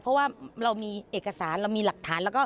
เพราะว่าเรามีเอกสารเรามีหลักฐานแล้วก็